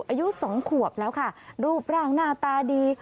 อายุ๒ขวบแล้วค่ะรูปร่างหน้าตาดี